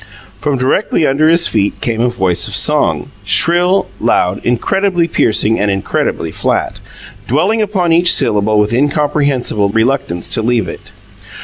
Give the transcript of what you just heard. From directly under his feet came a voice of song, shrill, loud, incredibly piercing and incredibly flat, dwelling upon each syllable with incomprehensible reluctance to leave it.